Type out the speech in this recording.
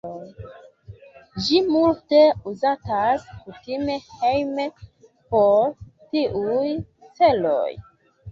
Ĝi multe uzatas kutime hejme por tiuj celoj.